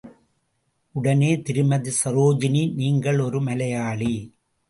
உடனே திருமதி சரோஜினி, நீங்கள் ஒரு மலையாளி.